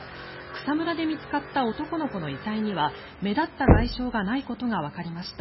草むらで見つかった男の子の遺体には目立った外傷がないことがわかりました。